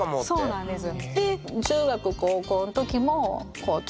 そうなんです。